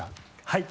はい。